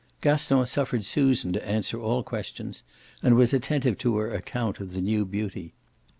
Gaston suffered Susan to answer all questions and was attentive to her account of the new beauty.